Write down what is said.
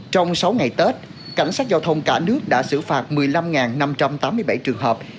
trong sáu ngày tết cảnh sát giao thông cả nước đã xử phạt một mươi năm năm trăm tám mươi bảy trường hợp